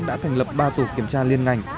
đã thành lập ba tổ kiểm tra liên ngành